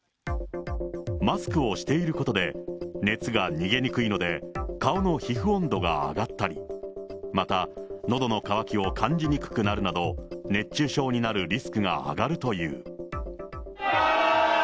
マスクをしていることで、熱が逃げにくいので、顔の皮膚温度が上がったり、また、のどの渇きを感じにくくなるなど、熱中症になるリスクが上がるという。